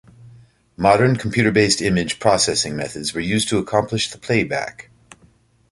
Modern computer-based image processing methods were used to accomplish the playback.